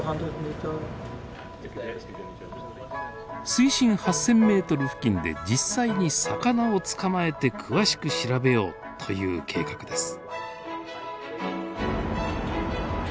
水深８，０００ｍ付近で実際に魚を捕まえて詳しく調べようという計画です。